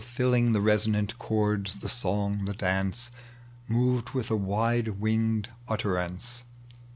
Filling the reaonaot chords, the song, the dance, Moved with a wider winged utterance.